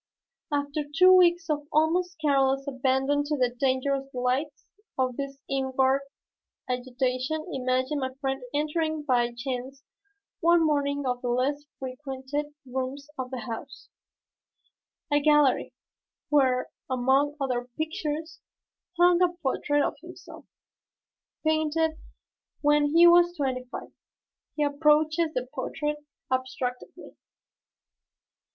After two weeks of almost careless abandon to the dangerous delights of this inward agitation imagine my friend entering by chance one morning one of the less frequented rooms of the house, a gallery, where, among other pictures, hung a portrait of himself, painted when he was twenty five. He approaches the portrait abstractedly.